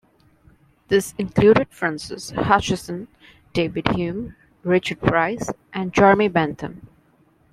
These included Francis Hutcheson, David Hume, Richard Price, and Jeremy Bentham.